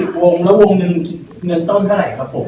วงแล้ววงหนึ่งเงินต้นเท่าไหร่ครับผม